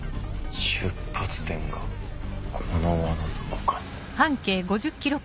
出発点がこの輪のどこかに。